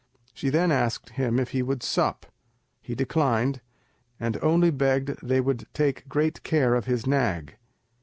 She then asked him if he would sup. He declined, and only begged they would take great care of his nag.